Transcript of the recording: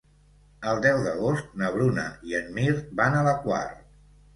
El deu d'agost na Bruna i en Mirt van a la Quar.